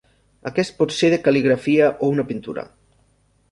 Aquest pot ser de cal·ligrafia o una pintura.